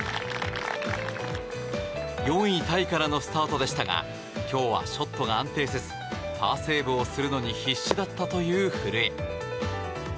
４位タイからのスタートでしたが今日はショットが安定せずパーセーブをするのに必死だったという古江。